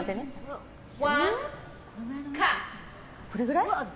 これぐらい？